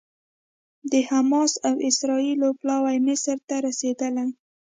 د حماس او اسرائیل پلاوي مصر ته رسېدلي